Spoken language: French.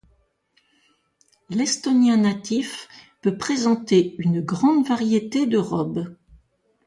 L'Estonien natif peut présenter une grande variété de robes.